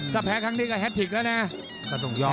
ถ้าแพ้ครั้งนี้ก็แอดถี้กแล้วนะ